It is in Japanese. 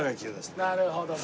なるほど。